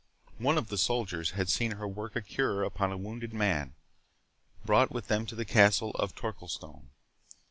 One of the soldiers had seen her work a cure upon a wounded man, brought with them to the castle of Torquilstone.